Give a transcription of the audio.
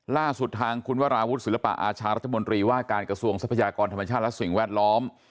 ล่าสุดทางคุณวราวุฒิศิลปะอาชารัฐมนตรีว่าการกระทรวงทรัพยากรธรรมชาติและสิ่งแวดล้อม